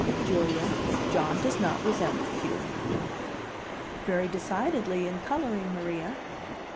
"Julia, John does not resemble Hugh." "Very decidedly, in coloring, Maria."